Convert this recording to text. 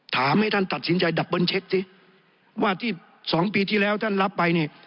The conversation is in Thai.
ให้ท่านตัดสินใจดับเบิ้ลเช็คสิว่าที่สองปีที่แล้วท่านรับไปเนี่ย